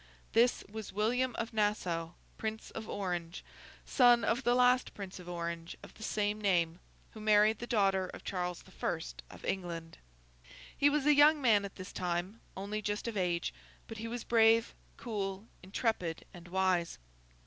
This was William of Nassau, Prince of Orange, son of the last Prince of Orange of the same name, who married the daughter of Charles the First of England. He was a young man at this time, only just of age; but he was brave, cool, intrepid, and wise.